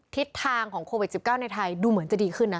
ทิศทางของโควิด๑๙ในไทยดูเหมือนจะดีขึ้นนะ